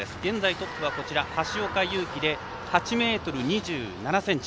トップは橋岡優輝８ｍ２７ｃｍ。